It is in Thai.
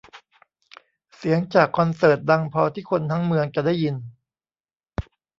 เสียงจากคอนเสิร์ตดังพอที่คนทั้งเมืองจะได้ยิน